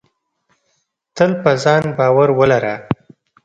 تل په ځان باور ولره.